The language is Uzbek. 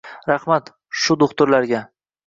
Rahmat, shu do`xtirlarga